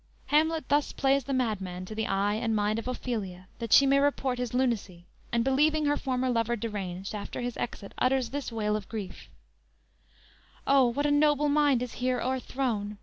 "_ Hamlet thus plays the madman to the eye and mind of Ophelia, that she may report his lunacy; and believing her former lover deranged, after his exit utters this wail of grief: _"O, what a noble mind is here o'erthrown!